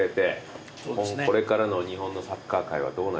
これからの日本のサッカー界はどうなりますか？